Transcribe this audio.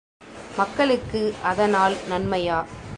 மக்களுக்கு அதனால் நன்மையா?